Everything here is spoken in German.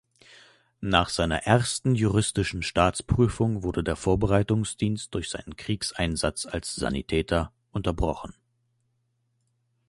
Nach seiner ersten juristischen Staatsprüfung wurde der Vorbereitungsdienst durch seinen Kriegseinsatz als Sanitäter unterbrochen.